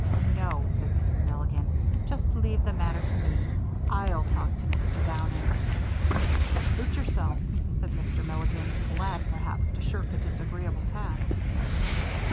"No," said Mrs. Milligan, "just leave the matter to me. I'll talk to Mr. Downing." "Suit yourself," said Mr. Milligan, glad perhaps to shirk a disagreeable task.